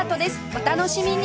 お楽しみに！